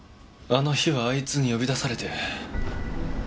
あの日はあいつに呼び出されて。